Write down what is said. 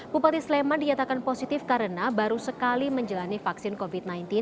bupati sleman dinyatakan positif karena baru sekali menjalani vaksin covid sembilan belas